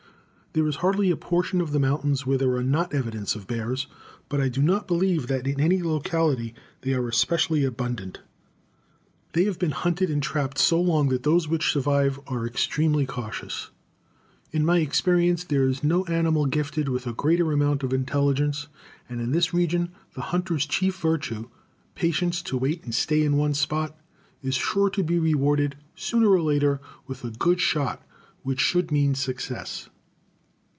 There is hardly a portion of the mountains where there are not evidences of bears, but I do not believe that in any locality they are especially abundant. They have been hunted and trapped so long that those which survive are extremely cautious. In my experience there is no animal gifted with a greater amount of intelligence, and, in this region, the hunter's chief virtue, patience to wait and stay in one spot, is sure to be rewarded, sooner or later, with a good shot which should mean success.